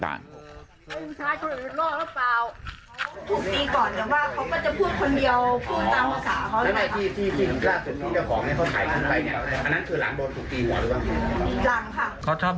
เขาชอบดื่มเหล้าประจำใช่ไหมฮะ